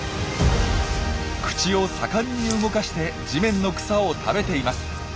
口を盛んに動かして地面の草を食べています。